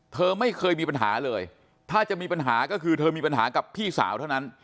เธอไม่เคยมีปัญหาเลยถ้าจะมีปัญหาก็คือเธอมีปัญหากับพี่สาวเท่านั้น